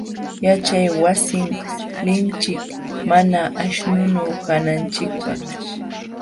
Yaćhaywasin linchik mana aśhnunu kananchikpaq.